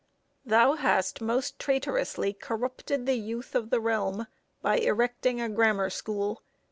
Thou hast most traitorously corrupted the youth of the realm by erecting a grammar school.